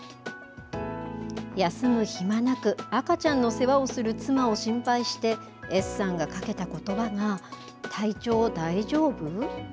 休む暇なく赤ちゃんの世話をする妻を心配して、Ｓさんがかけたことばが、体調、大丈夫？